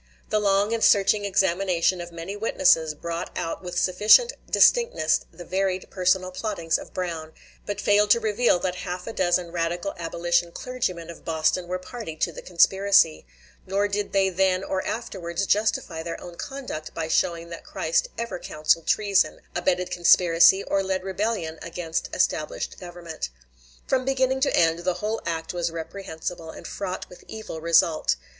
The long and searching examination of many witnesses brought out with sufficient distinctness the varied personal plottings of Brown, but failed to reveal that half a dozen radical abolition clergymen of Boston were party to the conspiracy; nor did they then or afterwards justify their own conduct by showing that Christ ever counseled treason, abetted conspiracy, or led rebellion against established government. From beginning to end, the whole act was reprehensible, and fraught with evil result.